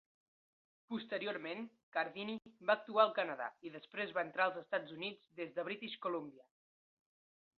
Posteriorment, Cardini va actuar al Canadà i després va entrar als Estats Units des de British Columbia.